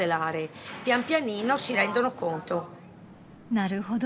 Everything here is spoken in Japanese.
なるほど。